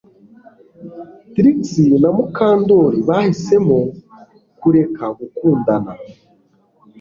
Trix na Mukandoli bahisemo kureka gukundana